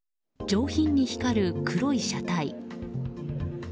上品に光る黒い車体。